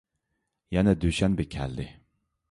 يەنە دۈشەنبە كەلدى.